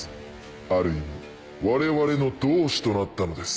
ある意味我々の同志となったのです。